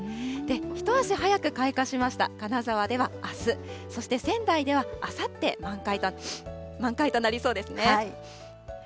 一足早く開花しました金沢ではあす、そして仙台ではあさって、満開となりそうですね。